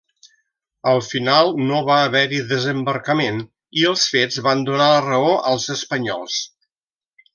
Al final no va haver-hi desembarcament, i els fets van donar la raó als espanyols.